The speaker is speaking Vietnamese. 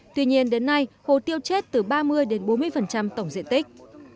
tuy nhiên đến nay hồ tiêu chết từ ba mươi đến bốn mươi tổng diện tích